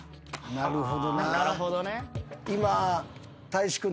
なるほどね。